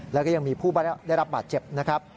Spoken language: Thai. แล้วก็ยังมีผู้ได้รับบาดเจ็บนะครับ